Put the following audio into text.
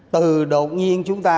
từ đầu nhiên chúng ta